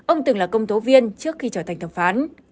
ông từng là công tố viên trước khi trở thành thẩm phán